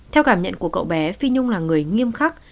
theo cảm nhận của cậu bé phi nhung là người nghiêm khắc